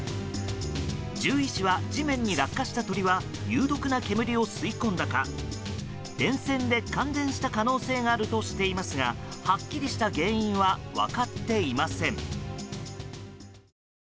獣医師は、地面に落下した鳥は有毒な煙を吸い込んだか電線で感電した可能性があるとしていますがはっきりした原因は分かっていません。